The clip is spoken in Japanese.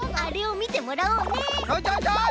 ちょいちょいちょい！